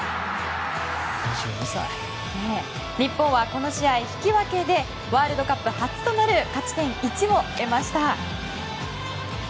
日本はこの試合、引き分けでワールドカップ初となる勝ち点１を得ました。